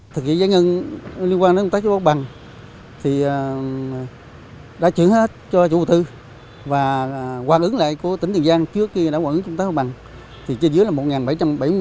thực hiện giải ngân liên quan đến công tác chống tác bằng thì đã chuyển hết cho chủ đầu tư và hoàn ứng lại của tỉnh tiền giang trước khi đã hoàn ứng chống tác bằng thì trên dưới là một bảy trăm bảy mươi sáu tỷ